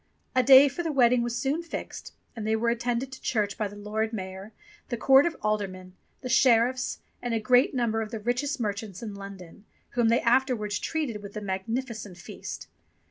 A day for the wedding was soon fixed ; and they were attended to church by the Lord Mayor, the court of aldermen, the sheriffs, and a great number of the richest merchants in London, whom they afterwards treated with a magnificent feast.